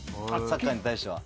サッカーに対しては。